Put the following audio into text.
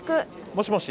もしもし。